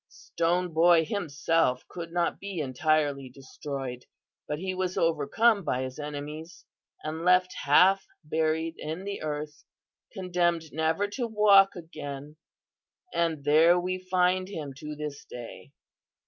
Stone Boy himself could not be entirely destroyed, but he was overcome by his enemies and left half buried in the earth, condemned never to walk again, and there we find him to this day.